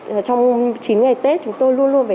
trong chín ngày tết chúng tôi luôn luôn phải